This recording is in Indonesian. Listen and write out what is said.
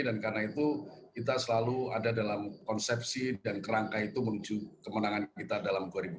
dan karena itu kita selalu ada dalam konsepsi dan kerangka itu menuju kemenangan kita dalam dua ribu dua puluh